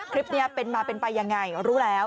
คลิปนี้เป็นมาเป็นไปยังไงรู้แล้ว